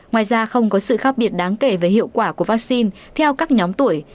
ngoài ra không có sự khác biệt đáng kể về hiệu quả của vaccine theo các nhóm tuổi